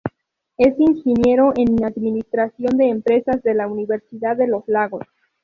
Es ingeniero en administración de empresas de la Universidad de Los Lagos.